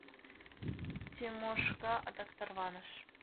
— Тимошка адак тарваныш.